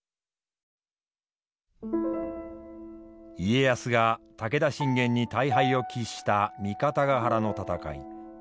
家康が武田信玄に大敗を喫した三方ヶ原の戦い。